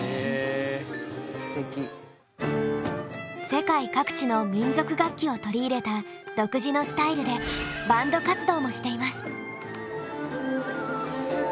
世界各地の民族楽器を取り入れた独自のスタイルでバンド活動もしています。